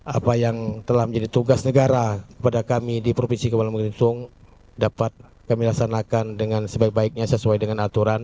apa yang telah menjadi tugas negara kepada kami di provinsi kepulauan menggelincing dapat kami laksanakan dengan sebaik baiknya sesuai dengan aturan